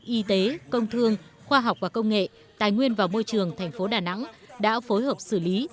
y tế công thương khoa học và công nghệ tài nguyên và môi trường thành phố đà nẵng đã phối hợp xử lý